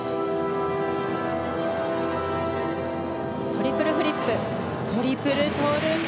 トリプルフリップトリプルトウループ。